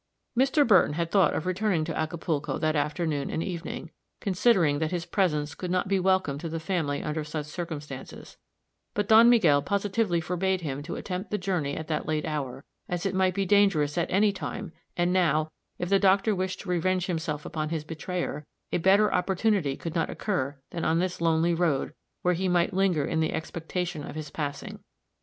Mr. Burton had thought of returning to Acapulco that afternoon and evening, considering that his presence could not be welcome to the family under such circumstances; but Don Miguel positively forbade him to attempt the journey at that late hour, as it might be dangerous at any time, and now, if the doctor wished to revenge himself upon his betrayer, a better opportunity could not occur than on this lonely road, where he might linger in the expectation of his passing.